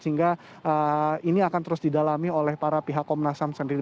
sehingga ini akan terus didalami oleh para pihak komnas ham sendiri